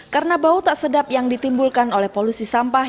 karena bau tak sedap yang ditimbulkan oleh polusi sampah